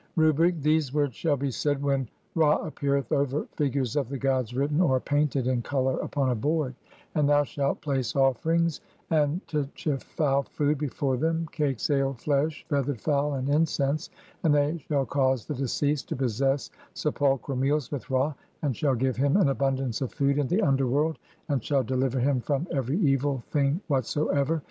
Rubric : [these words] shall be said when ra appeareth over [FIGURES] OF THE GODS WRITTEN {OR PAINTED) IN COLOUR UPON A BOARD (?), AND THOU SHALT PLACE OFFERINGS AND (16) TCHEFA U FOOD BEFORE THEM, CAKES, ALE, FLESH, FEATHERED FOWL, AND INCENSE, AND THEY SHALL CAUSE THE DECEASED TO POSSESS SEPULCHRAL MEALS WITH RA, AND SHALL GIVE HIM (17) AN ABUNDANCE OF FOOD IN THE UNDERWORLD, AND SHALL DELIVER HIM FROM EVERY EVIL THING WHATSOEVER.